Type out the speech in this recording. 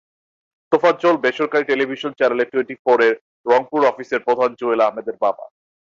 তোফাজ্জল বেসরকারি television channel টুয়েন্টিফোরের রংপুর অফিসের প্রধান জুয়েল আহমেদের বাবা।